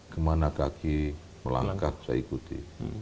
kemana kaki melangkah saya ikuti